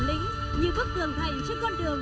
điệu dòng điện không tắt